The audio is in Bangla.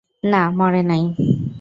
না, মরে নাই।